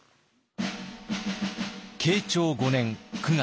慶長５年９月。